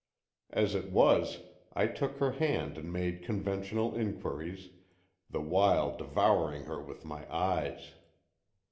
As it was, I took her hand and made conventional inquiries, the while devouring her with my eyes.